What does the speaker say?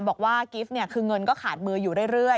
บอกว่ากิฟต์คือเงินก็ขาดมืออยู่เรื่อย